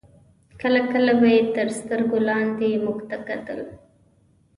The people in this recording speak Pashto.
کله کله به یې تر سترګو لاندې موږ ته کتل.